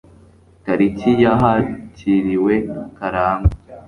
Tariki ya hakiriwe KARANGWA